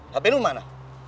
hp lu mana